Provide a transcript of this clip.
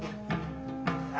あ！